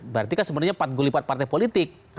berarti kan sebenarnya patgulipat partai politik